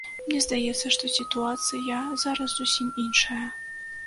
Мне здаецца, што сітуацыя зараз зусім іншая.